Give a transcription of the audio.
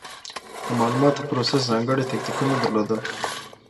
د مالوماتو پروسس ځانګړې تکتیکونه درلودل.